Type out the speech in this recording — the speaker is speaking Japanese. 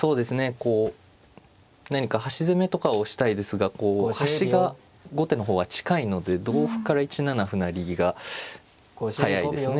こう何か端攻めとかをしたいですがこう端が後手の方は近いので同歩から１七歩成が速いですね。